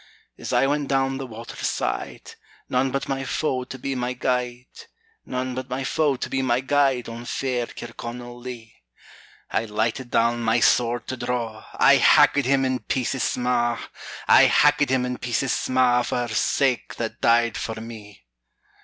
As I went down the water side, None but my foe to be my guide, None but my foe to be my guide, On fair Kirconnell lea; I lighted down my sword to draw, I hackèd him in pieces sma', I hackèd him in pieces sma', For her sake that died for me.